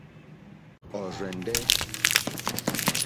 Ɔ̀rzɛ̀ndɛ́.